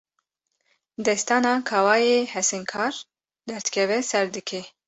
Destana Kawayê Hesinkar, derdikeve ser dikê